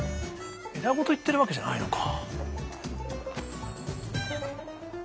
枝ごといってるわけじゃないのか。